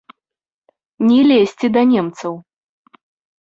Не лезці да немцаў.